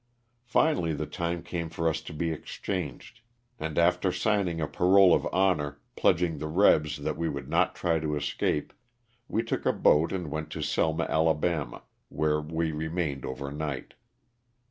Finally the time came for us to be exchanged, and after sign 33 258 LOSS OP THE SULTANA. ing a parole of honor, pledging the ''rebs" that we would not try to escape, we took a boat and went to Selma, Ala., where we remained over night.